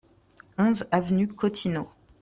onze avenue Cottineau